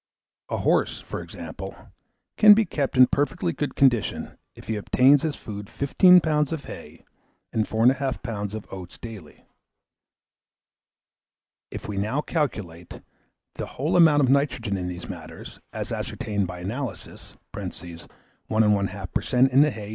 A horse, for example, can be kept in perfectly good condition, if he obtain as food 15 lbs. of hay and 4 1/2 lbs. of oats daily. If we now calculate the whole amount of nitrogen in these matters, as ascertained by analysis (1 1/2 per cent. in the hay, 2.